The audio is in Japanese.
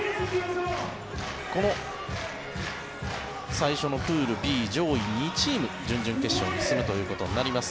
この最初のプールＢ上位２チーム準々決勝に進むということになります。